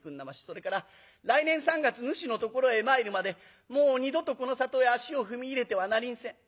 それから来年三月ぬしのところへ参るまでもう二度とこのさとへ足を踏み入れてはなりんせん。